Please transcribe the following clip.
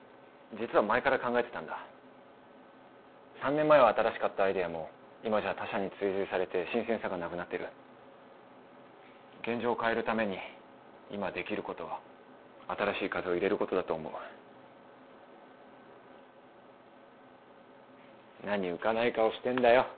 実は前から考えてたんだ３年前は新しかったアイデアも今じゃ他社に追随されて新鮮さがなくなっている現状を変えるために今できることは新しい風を入れることだと思う何浮かない顔してんだよ